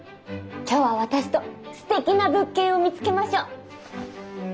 今日は私とすてきな物件を見つけましょう。